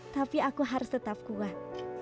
tapi aku harus tetap kuat